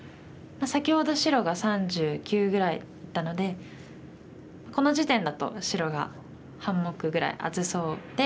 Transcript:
先ほど白が３９ぐらいだったのでこの時点だと白が半目ぐらい厚そうで。